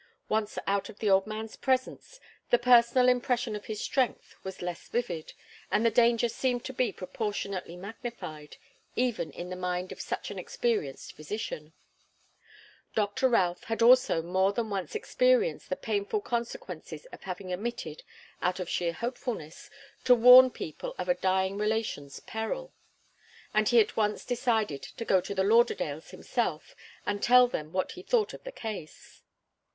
Once out of the old man's presence, the personal impression of his strength was less vivid, and the danger seemed to be proportionately magnified, even in the mind of such an experienced physician. Doctor Routh had also more than once experienced the painful consequences of having omitted, out of sheer hopefulness, to warn people of a dying relation's peril, and he at once decided to go to the Lauderdales himself and tell them what he thought of the case.